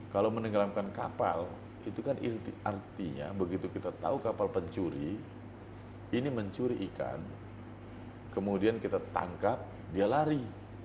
kalau menenggelamkan kapal itu kan artinya begitu kita tahu kapal pencuri ini mencuri ikan kemudian kita tangkap dia lari